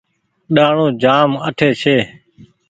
ڏآڻو جآم اٺي ڇي۔